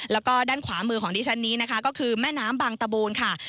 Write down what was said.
แล้วก็ด้านขวามือของดิฉันนี้นะคะก็คือแม่น้ำบางตะบูนค่ะ